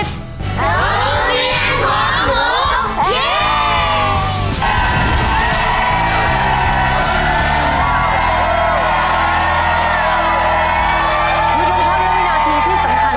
ธรรมดินของหมู